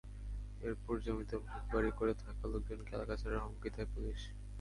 এরপর জমিতে বসতবাড়ি করে থাকা লোকজনকে এলাকা ছাড়ার হুমকি দেয় পুলিশ।